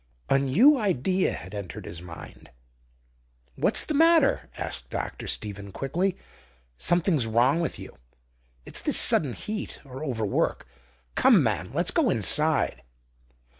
A new idea had entered his mind. "What's the matter?" asked Dr. Stephen quickly. "Something's wrong with you. It's this sudden heat, or overwork. Come, man, let's go inside."